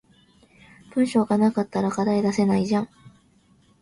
文章が無かったら課題出せないじゃん